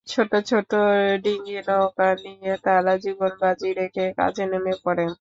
ছোট ছোট ডিঙি নৌকা নিয়ে তারা জীবনবাজি রেখে কাজে নেমে পড়ে।